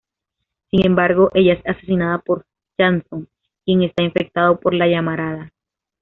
Sin embargo, ella es asesinada por Janson, quien está infectado por la Llamarada.